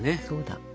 そうだ。